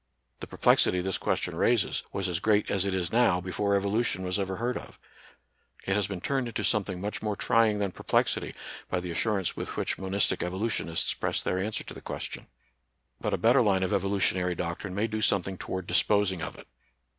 The perplexity this question raises was as great as it is now before evolu tion was ever heard of; it has been turned into something much more trying than perplexity by the assurance with which monistic evolu tionists press their answer to the question; but a better line of evolutionary doctrine may do something toward disposing of it.